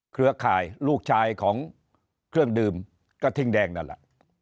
เครือข่ายลูกชายของเครื่องดื่มกระทิ่งแดงนั่นแหละ